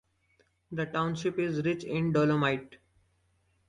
The township is rich in Dolomite.